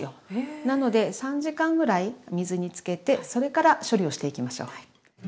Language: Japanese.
なので３時間ぐらい水につけてそれから処理をしていきましょう。